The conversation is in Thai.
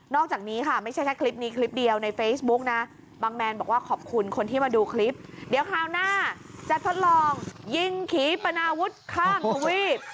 อกจากนี้ค่ะไม่ใช่แค่คลิปนี้คลิปเดียวในเฟซบุ๊กนะบางแมนบอกว่าขอบคุณคนที่มาดูคลิปเดี๋ยวคราวหน้าจะทดลองยิงขี่ปนาวุฒิข้ามทวีป